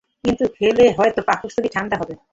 কিছু খেলে হয়তো পাকস্থলীটা ঠাণ্ডা হবে।